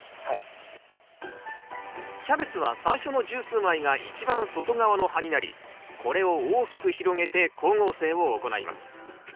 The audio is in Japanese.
キャベツは最初の十数枚が一番外側の葉になりこれを大きく広げて光合成を行います。